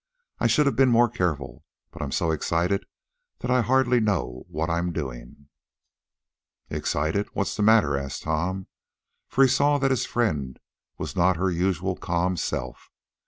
I should have been more careful, but I'm so excited that I hardly know what I'm doing." "Excited? What's the matter?" asked Tom, for he saw that his friend was not her usual calm self.